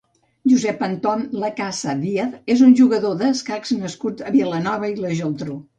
Josep Anton Lacasa Díaz és un jugador d'escacs nascut a Vilanova i la Geltrú.